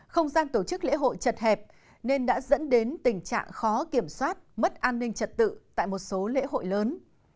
không gian tổ chức lễ hội chật hẹp nên đã dẫn đến tình trạng khó kiểm soát mất an ninh trật tự tại một số lễ hội lớn